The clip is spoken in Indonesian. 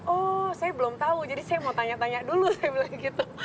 oh saya belum tahu jadi saya mau tanya tanya dulu saya bilang gitu